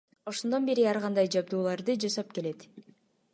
Ошондон бери ар кандай жабдууларды жасап келет.